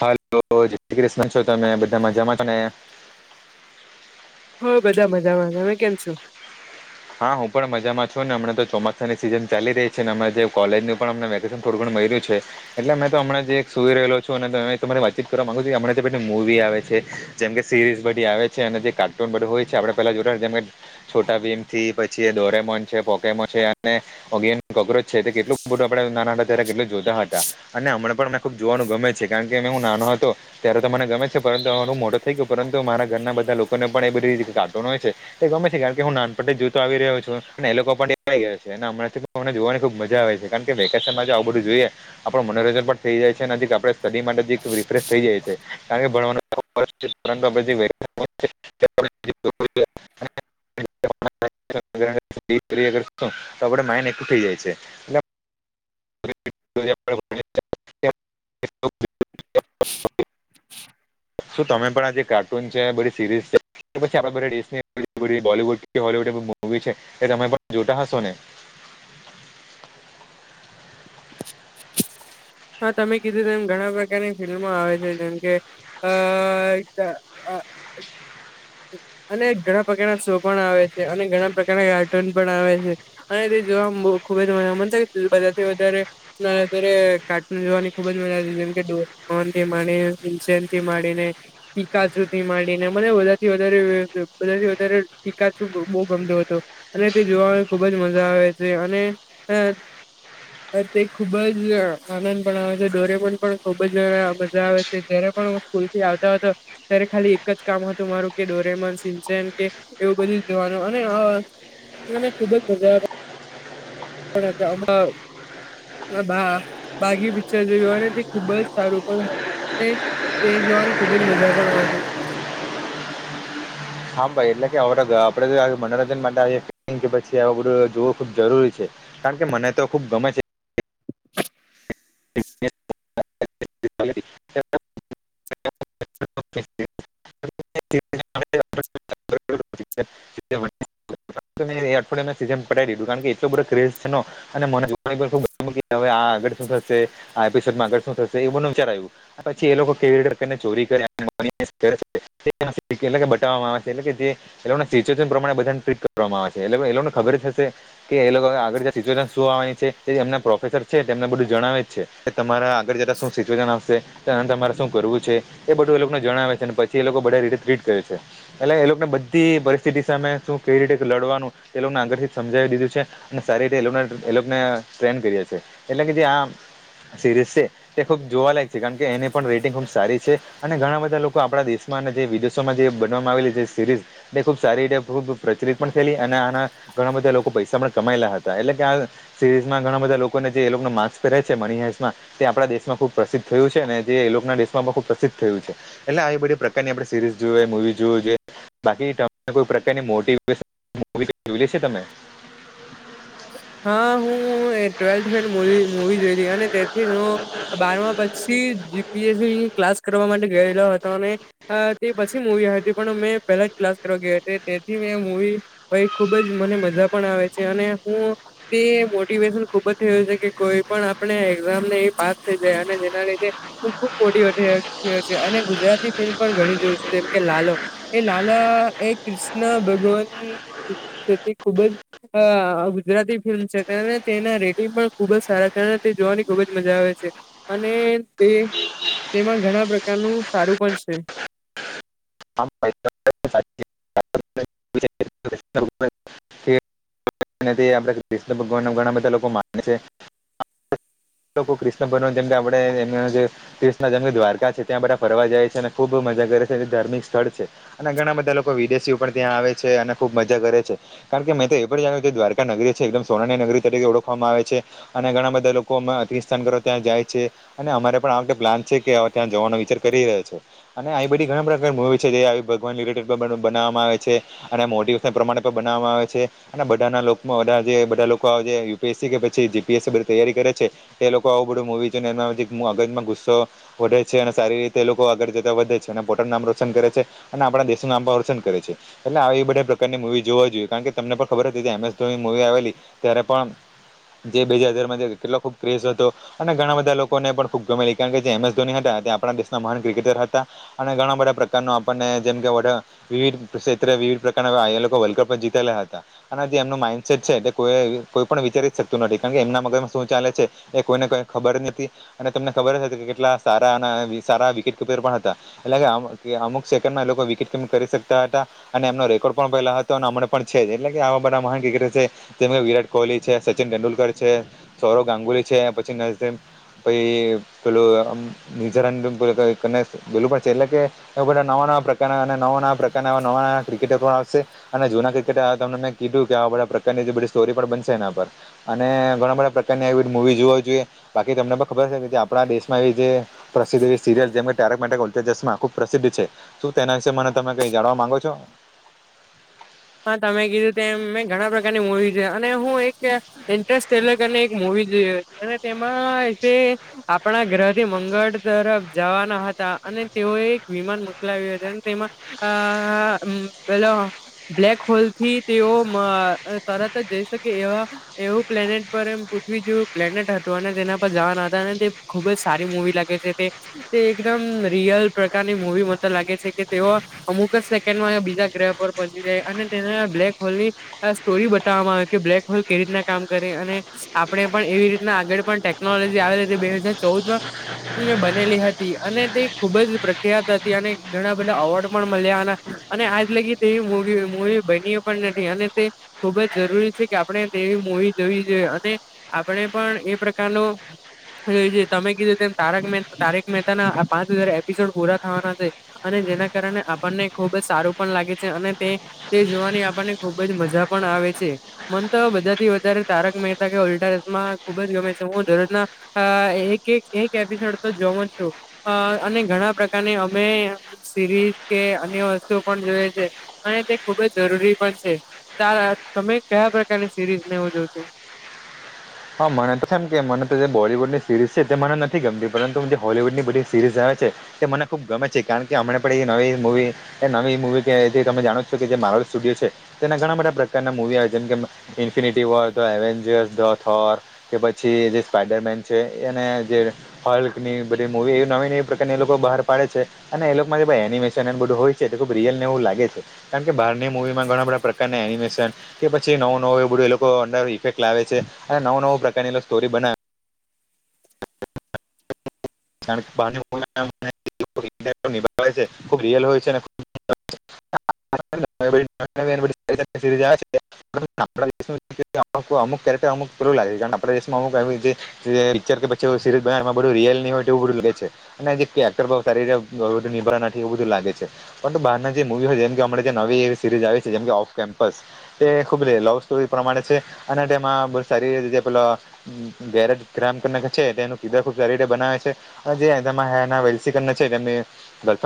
હ જે ક્રિસમસ છો તમે બધા મજામાં છો ને હ બધા મજામાં અમે કેમ છો હા હું પણ મજામાં છું ને અમને તો ચોમાસાની સિઝન ચાલી રહી છે ને અ જે કોલેજની પણ અમ મ થોડું ઘણ મયલુ છે. એટલે મેં તો હમણાં જે એક સુઈ રહેલો છું અને તમારી વાતચીત કરવા માંગુ છું કે હમણાં તો પેલી મૂવી આવે છે. જેમકે સિરીઝ બધી આવે છે અને જે કાર્ટૂન બધું હોય છે આપણે પેલા જોડા જેમ કે છોટા બ થી પછી એ દોરેમોન છે પોકેમો છે અને ઓગ કોક્રોચ છે તે કેટલું બધું આપડ નાનાના ત્યારે કેટલું જોતા હતા અને હમણા પણને ખુબ જોવાનું ગમે છે કારણ કે મે હું નાનો હતો ત્યારે તો મને ગમે છે પરંતુ હવે હું મોટો થઈ ગયો પરંતુ મારા ઘરના બધા લોકોને પણ એ બધી રીતે કા્ટુન હોય છે. તે ગમે છે ગ કર કે હુંના જોતો આવી રહ્યો છ એ લોકો પણ આવી ગયા છે હમણાંમને જોવાની ખુબ મજા આવે છે. કારણ કે વેકેશન માં જો આવું બધું જોઈએ આપણ મનોરંજન પણ થઈ જાય છે અનેક આપણે સ્ટડી માટે રિફ્રેશ થઈ જાય છે કારણ કે ભણવાનું [inaudible] આપડ માઇન એક થઈ જાય છે. બ. એ શું તમે પણ આ જે કાર્ટૂન છે બધી સિરીઝ છે પછી આપડે બધા દેશની બોલીવુડ હોલીવુડ મુવી છે એ તમે પણ જોતા હશો ને હા તમે કીધું એમ ઘણા પ્રકારની ફિલ્મો આવે છે જેમ કે અ અને ઘણા પ્રકારના શો પણ આવે છે અને ઘણા પ્રકારના કાર્ટૂન પણ આવે છે. અને તે જોવા ખુબ જ મજા મને બધાથી વધારે ના અત્યારે કાર્ટૂન જોવાની ખુબ જ મજા આવે જેમ મોહન થીનેસે થી માંડીને પીકાચુ થી માંડી ને મને થી વધ બધાથી વધારે પીકાચુ બહુ ગમતો હતો. અને તે જોવા ખુબ જ મજા આવે છે અને તે ખુબ જ આનંદ પણ આવે છે ઘરે પણ પણ ખુબ જ મજા આવે છે જ્યારે પણ કૂલ થી આવતા હતો ત્યારે ખાલી એક જ કામ હતું મારું ડોરેમન સિંચન કે એવું બધું જવાનું અને મને ખુબજ મજા આવે અણા [unintelligible] બાા બાકી પિક્ચર જોયું અને તે ખુબ જ સારું પણ હતું અને તે જોવાની ખુબ જ મજા પણ આવે છે. હા ભાઈ એટલે કે આપ આપડે તો મનોરંજન માટે પછી આ બધું જોવું ખુબ જરૂરી છે. કારણ કે મને તો ખુબ ગમે છે. [inaudible] [inaudible] મેં અઠવાડિયામાં એ સીઝન પતાવી દીધુ કારણ કે એટલો બધો ક્રેઝ છે અને મને જો થશેું થશે એ બધુ વિચાર આવ્યું પછી એ લોકો કેવી રીતે કરી ને ચોરી કરે. એટલે બતાવવામાં આવે છે એટલે કે જે એ લોકો સિચ્યુશન પ્રમાણે બધાને ટ્રીટ કરવામાં આવે છે એટલે એ લોકોને ખબર જ હશે કે એ લોકો આગળ સો આવે છે એમના પ્રોફેસર છે તેમને બધું જણાવે છે. કે તમારા આગળ જરા શું સિચ્યુએશન આવશે તોને તમારે શું કરવું છે એ બધું એ લોકોને જણાવે છે અને પછી એ લોકો બધ રીતે ટ્રીટ કરે છે. એટલે એ લોકોને બધી પરિસ્થિતિ સામે શું કેવી રીતે લડવાનું એ લોકોને આગળથી સમજાવી દીધું છે. સારી રીતે એને ટ્રેન કરીયા છે એટલે કે જે આ સિરીઝ છે તે ખુબ જોવાલાયક છે કારણ કે એને પણ રેટિંગ ખુબ સારી છે અને ઘણા બધા લોકો આપડા દેશ જે વિદેશોમાં જે બનવામાં આવેલી જે સિરીઝ તે ખુબ સારી રીતે ખૂબ પ્રચલિત પણ થયેલી અને આના ઘણા બધા લોકો પૈસા પણ કમાયેલા હતા એટલે કે આ સિરીઝ માં ઘણા બધા લોકોને જે એ લોકો ન માર્ક્સ પહેરે છે મનીહાઈટ્સ માં તે આપણા દેશમાં ખુબ પ્રસિદ્ધ થયું છે અને જે એ લોકો ના દેશ માં પણ ખુબ પ્રસિદ્ધ થયું છેટલે આવી બધી આપણે સરીઝ જોઈએ મુવીઝ જોવી જોઈએ. બાકી તમે કોઈ પ્રકારની મોટીવેશન મુવી જોયેલી છે તમે? હા હું ટ્વેલ્થ મુવી જોયલી અને તેથી બારમા પછી જીપીએસસી ક્લાસ કરવા માટે ગયેલો હતો અને તે પછી મુવી હતી પણ મેં પહેલા જ ક્લાસ કરવા ગયો હતો તેથી મેં મુવી ભાઈ ખુબ જ મને મજા પણ આવે છે અને હું તે મોટિવેશન ખુબ જ થયું છે કે કોઈ પણ આપણે એક્ઝામને એ પાસ થઈ જાય અને જેના લીધે ખુબ મોટીવેશન છે અને ગુજરાતી ફિલ્મ પણ ઘણી જેવું છે જેમ કે લાલો એ લાલા એ કૃષ્ણ ભગવાનની છે તે ખૂબ જ હા ગુજરાતી ફિલ્મ છે તેના રેટિંગ પણ ખુબ જ સારા છે, તે જોવાની ખુબ જ મજા આવે છે. અને તે તેમાં ઘણા પ્રકારનું સારું પણ છે. [inaudible] તે આપણા ક્રુષ્ણ ભગવાન ના ઘણા બધા લોકો માને છે. લોકો ક્રુષ્ણ બનો જેમ કે આપડે એમ જે તીર્થધામ દ્વારકા છે ત્યાં બધા ફરવા જાય છે અને ખુબ મજા કરે છે ધામ્રિક સ્થળ છે અને ઘણા બધા લોકો વિદેશીઓ પણ ત્યાં આવે છે અને ખૂબ મજા કરે છે કારણ કે મેં તો એ પણ જાણ્યું કે દ્વારકા નગરી છે એકદમ સોનાની નગરી તરીકે ઓળખવામાં આવે છે અને ઘણા બધા લોકો માં તીર સ્થાન કરવા ત્યાં જાય છે અને અમારે પણ આ વખતે પ્લાન છે કેવે ત્યાં જવાનો વિચાર કરી રહ્યા છે અને આ બધી ઘણા બધા છે તે આવી ભગવાન રિલેટેડ પણ બનાવવામાં આવે છે અને મોટિવેશન પ્રમાણે પણ બનાવવામાં આવે છે અને બધા ના લોકો જે બધા લોકો યુપીએસસી કે પછી જીપીએસસી બધી તૈયારી કરે છે એ લોકો આવું બધું મુવી જો ને એના મગજમાં ગુસ્સો વધે છે અને સારી રીતે એ લોકો આગળ જતા વધે છે અને પોટનું નામ નુકશાન કરે છે અને આપણા દેશનું નામ પણ રોશન કરે છે એટલે આ એ બધા પ્રકારની મૂવી જોવા જોઈએ કારણ કે તમને પણ ખબર હતી કે એમએસ ધોની મુવી આવેલી ત્યારે પણ જે બીજા હજાર કેટલો ખુબ ક્રેસ હતો અને ઘણા બધા લોકોને પણ ફૂગ ગમેલી કારણ કે જે એમ એસ ધોની હતા આપણા દેશના મહાન ક્રિકેટર હતા અને ઘણા બધા પ્રકાર કાર આપણને જેમ કે વિવિધ ક્ષેત્રે વિવિધ પ્રકારના લોકો વર્લ્ડ કપ જીતેલા હતા અને જે એમનું માઈન્ડસેટ છે એ કોઈ કોઈ પણ વિચારી શકતું નથી કારણ કે એમના મગરમાં શું ચાલે છે એ કોઈને કઈ ખબર નથી અને તમને ખબર કે કેટલા સારા અને સારા વિકેટ કપર પણ હતા એટલે કે આ કે અમુક સેકન્ડમાં લોકો વિકેટ કમિંગ કરી શકતા હતા અને એમનો રેકોર્ડ પણ પેલા હતો અને હમણાં પણ છે એટલે કે આવા બધા મહાન ક્રિકેટ છે તેમ વિરાટ કોહલી છે સચિન તેંડુલકર છે સૌરવ ગાંગુલી છે પછી મહેશ પહી પેલું ન્યુઝીલેન્ડ બેલું પડશે એટલે કે એ બધા નવા નવા પ્રકારના અને નવા નવા પ્રકારના નવા નવા ક્રિકેટર પણ આવશે અને જૂના ક્રિકેટ તમને મેં કીધું કે આ બધા પ્રકારની જે બધી સ્ટોરી પણ બનશે એના પર અને ઘણા બધા પ્રકારની એવી મુવી જો હો જોઈએ બાકી તમને પણ ખબર હસે કે આપણા દેશમાં એવી જે પ્રસિદ્ધ એવી સિરિયલ જેમાં તારક મેહતા કા ઉલ્ટા ચશ્મા ખૂબ પ્રસિદ્ધ છે શું તેના વિશે મને તમે કઈ જાણવા માંગો છો હા તમે કીધું તેમ મેં ઘણા પ્રકારની મુવી છે અને હું એક એન્ટરેસ્ટ ટેલક અને એક મુવી જો હતી અને તેમાં એટલે આપણા ગ્રહથી મંગળ તરફ જવાના હતા અને તેઓએ એક વિમાન મોકલાવ્યું હતુ અને તેમાં આ બોલો બ્લેક હોલ થી તેઓ તરત જ જઈ શકે એવા એવું પ્લેનેટ પર એમ પૃથ્વી જેવું પ્લેનેટ હતું અને તેના પર જણ હતા અને તે ખુબ જ સારી મૂવી લાગે છે તે તે એકદમ રિયલ પ્રકારની મૂવી મને લાગે છે કે તેઓ અમુક જ સેકન્ડમાં બીજા ગ્રહ પર પોચી જાય અને તેને બ્લેક હોલ ની સ્ટોરી બતાવવામાં આવે કે બ્લેક હોલ કેવી રીતના કામ કરે અને આપણે પણ એવી રીતના આગળ પણ ટેક ટેકનોલોજી આવે તે બે હજાર ચૌદ માં બનેલી હતી અને તે ખુબ જ પ્રખ્યાત હતી અને ઘણા બધા અવોર્ડ પણ મળ્યા અને અને આજ લગી તેવી મુવી મુવી બની એ પણ નથી અને તે ખુબ જ જરૂરી છે કે આપણે તેવી મુવી જોવી જોઈએ અને આપડે પણ એ પ્રકારનો તમે કીધું તમે મહેતા ના પાંચ હજાર એપિસોડ પૂરા થવાના છે અને જેના કારણે આપણને ખુબ જ સારું પણ લાગે છે અને તે તે જોવાની આપણને ખુબ જ મજા પણ આવે છે મન તો બધા થી વધારે તારક મહેતા કે ઉલ્ટા ચશ્મા ખુબ જ ગમે છે હું દરરોજના અ એક એક એક એપિસોડ તો જોવો છું અને ઘણા પ્રકારને અમે સિરીઝ કે અન્ય વસ્તુ પણ જોએ છે અને તે ખુબ જ જરૂરી પણ છે ચાર તમે કયા પ્રકારની સિરીઝ ને એઉ જોવ છું હા મને તો છેમ કે મને તો જે બોલીવૂડની સિરીઝ છે તે મને નથી ગમતી પરંતુ જે હોલીવૂડ ની બધી સીરીઝ આવે છે તે મને ખુબ ગમે છે કારણ કે હમને પણ એ નવી મૂવી એ નવી મુવી કે જે તમે જાણો છો કે જે માર સ્ટુડિયો છે તેના ઘણા બધા પ્રકારના મૂવી આવે જેમ કે. ઇફિનિટી વર્ તો એવેન્જર્સ ડો. થોર કે પછી જે સ્પાઈડરમેન છે એને જે. હોલની બધી મુૂવી એ નવી નવી પ્રકાર એ લોકો બહાર પાડે છે. અને એ લોકોમાં ભાઈ એનિમેશન એ બધું હોય છે તો ખુબ રિયલ નેવું લાગે છે. કારણ કે બહારની મુવીમાં ઘણા બધા પ્રકારના એનિમેશન. કે પછી નવું નવું એ બધું એ લોકો અડર ઇફેક્ટ લ આવે છે અને નું નવું પ્રકારની સ્ટોરી બનાવે. તણ પા. છે ખૂબ રયલ છે અનેને ખબ. [inaudible] કર અમુકું લાગે છે આપણા દેશમાં અમુક. પિક્ચર કે પછી સરીઝ બમાં બું રયલની હોય. એવ બધું લે છે અનેક નિ નથી એવું બધું લાગે છે. પરંતુ બહાર ના જે મુવી છે જેમ કે નવીવી સીરીઝ આવી છે જેમ ઓફ કેમ્પસ. તે ખુબ લવ સ્ટોરી પ્રમાણે છે અને તેમાં બ સારી રતે જે પેલો. ગેરેજ ગ્રામ કને છે તેનું કીધર ખુબ સારી રીતે બનાવે છે. જે ગફન્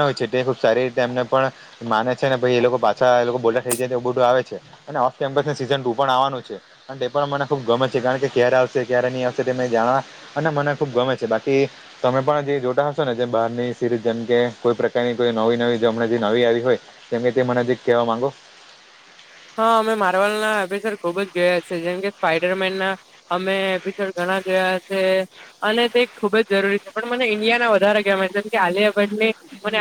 હોય છે તે ખબ સારી રીતે એમને પણ. માને છે ને ભાઈ એ લોકો પાછા એ લોકો બોલતા થઈ જાય તો એવું બધું આવે છે. અને ઓમ્પસ સીઝન ટુ પણ આવવાનું છે. કાર તે પણ મને ખુબ ગમેત છે કારણ કે ક્યારે આવશે ક્યારે નહી આવશે ત જાણવા. અને મને ખુબ ગમે છે બાકી. તમે પણ જે જોતા હશો ને જે બહારની સિરીઝ જેમ કે કોઈ પ્રકારની કોઈ નવી નવી જમણે જે નવી આવી હોય. તેમ કે તે મનેજીક કહેવા માંગો. હા અમે માર્વાલ ના અભેસર ખુબ જ ગયા છે જેમ કે સ્પાઈડરમેન ના. અમે ભીચળ ઘણા ગયા છે. અને તે ખુબ જ જરૂરી છે પણ મને ઇન્ડિયાને વધારે ગમે છે જેમ કે આલિયાગઢને. મને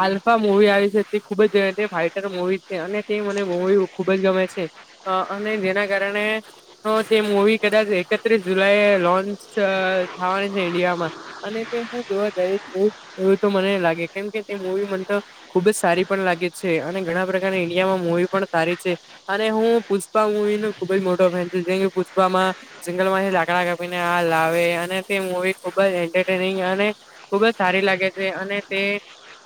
આલ્ફા મુવી આવી છે તે ખુબ જ ફાઈટર મુવી છે અને. તે મને બ ખૂબ જ ગમે છે અને જેના કારણે. હ તે મવી કદાચ એકત્રીસ જુલાઈ લોન્ચ થવાની છે ઈન્ડિયામાં. અને તે શું જોવા જઈ એવ એવું તો મને લાગે કેમ કે તે મવી મ તો. ખુબ જ સારી પણ લાગે છે અને ઘણા પ્રકારની. ઇન્ડિયામાં મવી પણ સારી છે અને હું પુષ્પા મુવી નો ખુબ જ મોટો ફેન છું જેમ કે પુષ્પામાં. સિંગલ માંથી લાકડા કાપીને આ લાવે અને તે મવી ખુબ જ એન્ટરટેનિંગ અને. ખુબ જ સારી લાગે છે અને તે.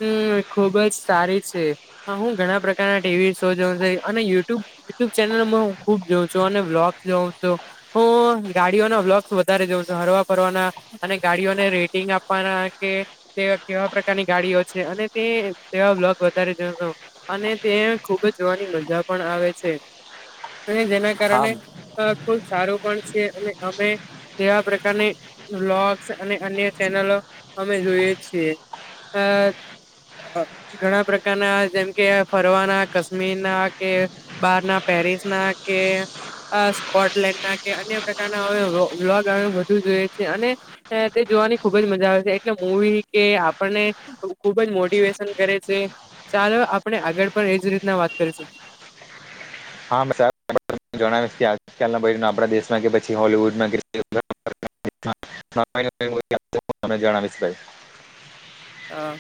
હમ ખુબ જ સારી છે હ હું ઘણા પ્રકારના. ટીવી શો જોઉ યુુબ યુટ્યુબ ચેનલમાં હું ખુબ જોઉં છું અને બ્લોગ જોઉં છું. હું ગાડીઓના બ્લોક્સ વધારે દઉં છું હરવા ફરવાના. અને ગાડીઓને રેટિંગ આપવાના કે. તે કેવા પ્રકારની ગાડીઓ છે અને તે તેવા બ્લગ વધારે અને. તે ખૂબ જ જોવાની મજા પણ આવે છે અને જેના હા કારણે. અ ખુબ સારું પણ છે અને અમે. તેવા પ્રકારની બ્લોગ્સ અને અન્ય ચેનલો અમે જોઈએ છીએ. અ ઘણા પ્રકારના જેમ કે. ફરવાના કશ્મીર ના કે બહાર ના પેરિસ ના કે. સ્કોટલેન્ડ ના કે અન્ય પ્રકારના હવે્ગ બધુ જોઈએ છે અને. તે જોવાની ખુબ જ મજા આવે છે એટલે મૂવી કે આપણને. ખુબ જ મોટિવેશન કરે છે ચાલો આપણે આગળ પણ એજ રીતના વાત કરીશું. હા આપ જણાવીશ કેના આપણા દેશમાં કે પછી હોલવુડમાં. હ તમને જણાવીશ ભાઈ. હા.